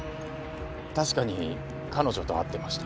確かに彼女と会ってました。